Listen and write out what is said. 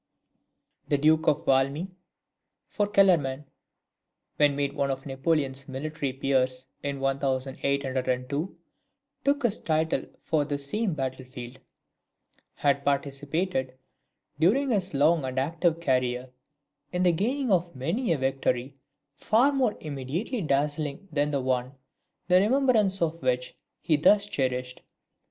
The Duke of Valmy (for Kellerman, when made one of Napoleon's military peers in 1802, took his title from this same battlefield) had participated, during his long and active career, in the gaining of many a victory far more immediately dazzling than the the one, the remembrance of which he thus cherished.